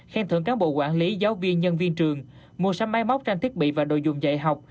khen thưởng cán bộ quản lý giáo viên nhân viên trường mua sắm máy móc trang thiết bị và đồ dùng dạy học